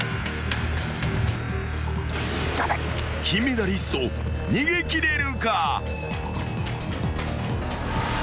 ［金メダリスト逃げ切れるか？］